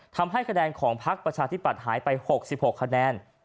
ทำให้คะแนนของพักประชาธิบัติหายไป๖๖คะแนน